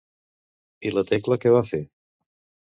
I la Tecla què va fer?